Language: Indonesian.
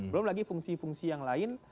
belum lagi fungsi fungsi yang lain